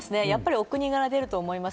お国柄が出ると思います。